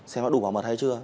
xem đã đủ bảo mật hay chưa